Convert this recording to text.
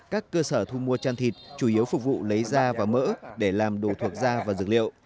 các cơ sở thu mua chăn thịt chủ yếu phục vụ lấy da và mỡ để làm đồ thuộc da và dược liệu